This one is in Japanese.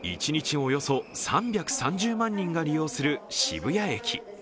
およそ３３０万人が利用する渋谷駅。